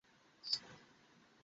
Signal পাওয়া গেছে।